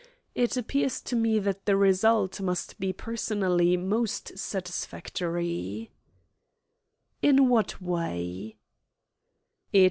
"It appears to me that the result must be personally most satisfactory." "In what way?"